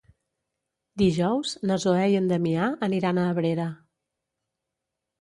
Dijous na Zoè i en Damià aniran a Abrera.